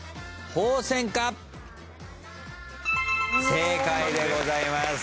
正解でございます。